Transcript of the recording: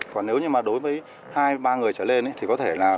còn nếu như mà đối với hai ba người trở lên thì có thể là